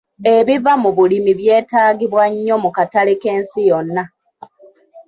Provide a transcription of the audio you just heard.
Ebiva mu bulimi byetaagibwa nnyo mu katale k'ensi yonna.